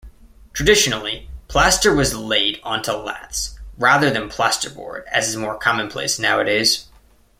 Traditionally, plaster was laid onto laths, rather than plasterboard as is more commonplace nowadays.